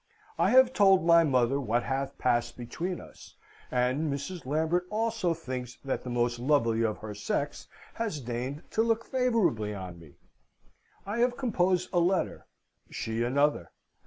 I have told my mother what hath passed between us, and Mrs. Lambert also thinks that the most lovely of her sex has deigned to look favourably on me. I have composed a letter she another.